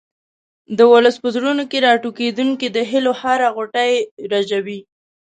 د ولس په زړونو کې راټوکېدونکې د هیلو هره غوټۍ رژوي.